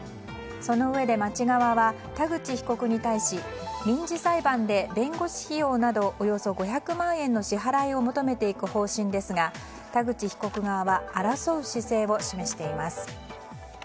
そのうえで町側は田口被告に対し民事裁判で弁護士費用などおよそ５００万円の支払いを求めていく方針ですが田口被告側は争う姿勢を示しています。